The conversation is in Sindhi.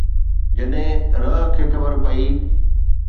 جڏهن رحه کي خبر پئي